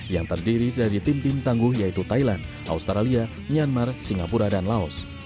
yang terdiri dari tim tim tangguh yaitu thailand australia myanmar singapura dan laos